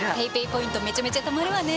ＰａｙＰａｙポイントめちゃめちゃたまるわね。